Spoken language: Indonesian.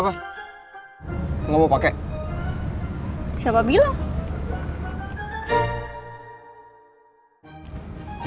speknya helmnya juga bela baixo